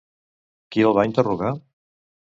Qui el va interrogar?